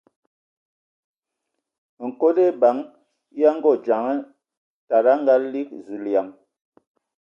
Nkod eban ya Ngondzanga tada a ngalig Zulǝyan!